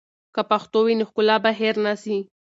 که پښتو وي، نو ښکلا به هېر نه سي.